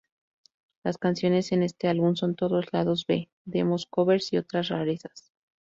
Las canciones en este álbum son todos lados B, demos, covers y otras rarezas.